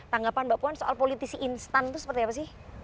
tanggapan mbak puan soal politisi instan itu seperti apa sih